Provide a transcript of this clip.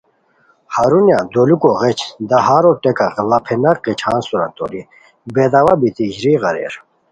ہرونیہ دولوکو غیچ دہارو ٹیکہ ڑاپھیناک غیچھان سورا توری بے داو ا بیتی ژریغ اریر